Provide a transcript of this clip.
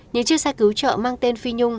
những chiếc xe cứu trợ mang tên phi nhung